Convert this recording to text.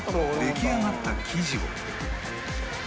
出来上がった生地を